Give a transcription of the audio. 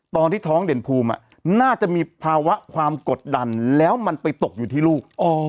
ตอนที่ท้องเด่นภูมิน่าจะมีภาวะความกดดันแล้วมันไปตกอยู่ที่ลูก